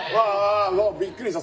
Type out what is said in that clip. びっくりした。